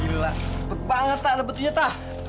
gila cepet banget ada betulnya tah